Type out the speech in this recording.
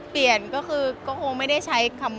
พี่หม่าก็แซวมา